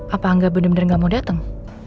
apa angga bener bener gak mau datang